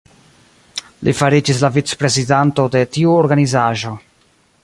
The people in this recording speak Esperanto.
Li fariĝis la vicprezidanto de tiu organizaĵo.